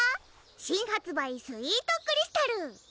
新発売「スイートクリスタル」